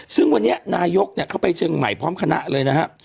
ซึ่งวันนี้นายกเข้าไปเชียงใหม่พร้อมคณะเลยนะครับ